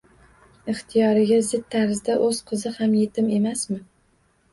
Ixtiyoriga zid tarzda o'z qizi ham yetim emasmi?!